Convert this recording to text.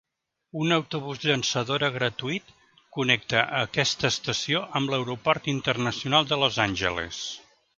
Un autobús llançadora gratuït connecta aquesta estació amb l'aeroport internacional de Los Angeles.